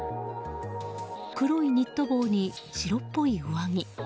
黒いニット帽に白っぽい上着。